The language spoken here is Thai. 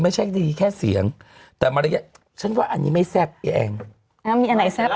ไม่ใช่ดีแค่เสียงแต่มารยาทฉันว่าอันนี้ไม่แซ่บเองอ่ามีอันไหนแซ่บ